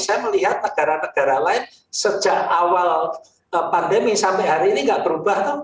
saya melihat negara negara lain sejak awal pandemi sampai hari ini nggak berubah tuh